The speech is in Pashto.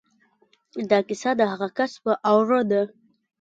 دا کيسه د هغه کس په اړه ده.